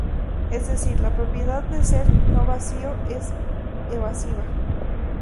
Es decir, la propiedad de ser no vacío es evasiva.